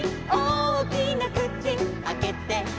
「おおきなくちあけて」